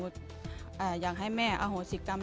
เขาก็เลยบอกว่า